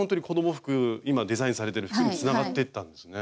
今デザインされてる服につながってったんですね。